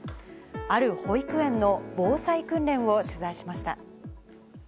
ある保育園の防災訓練を取材しました。